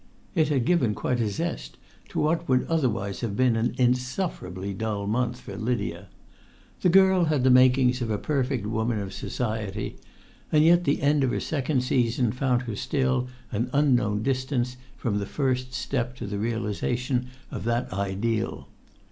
It had given quite a zest to what would otherwise have been an insufferably dull month for Lydia. The girl had the makings of a perfect woman of society, and yet the end of her second season found her still an unknown distance from the first step to the realisation of that ideal.